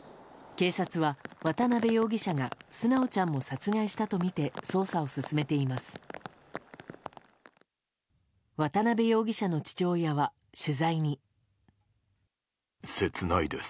警察は渡辺容疑者が純ちゃんも殺害したとみて捜査を進めています。